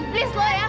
gitu aja dong